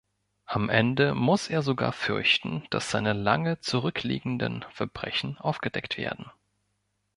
Am Ende muss er sogar fürchten, dass seine lange zurückliegenden Verbrechen aufgedeckt werden.